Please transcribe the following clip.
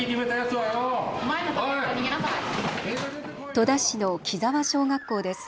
戸田市の喜沢小学校です。